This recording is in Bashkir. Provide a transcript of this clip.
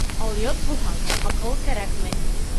Алйот булһаң, аҡыл кәрәкмәй.